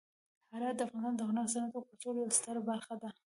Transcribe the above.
هرات د افغانستان د هنر، صنعت او کلتور یوه ستره برخه ده.